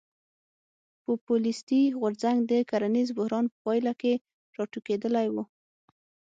پوپولیستي غورځنګ د کرنیز بحران په پایله کې راټوکېدلی و.